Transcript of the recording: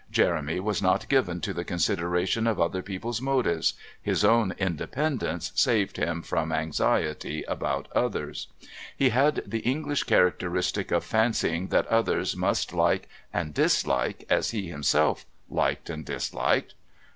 Jeremy was not given to the consideration of other people's motives his own independence saved him from anxiety about others. He had the English characteristic of fancying that others must like and dislike as he himself liked and disliked.